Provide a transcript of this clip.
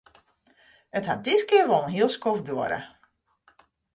It hat diskear wol in hiel skoft duorre.